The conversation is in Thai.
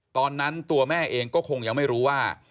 ตอนนั้นตัวแม่เองก็คงยังไม่รู้ว่า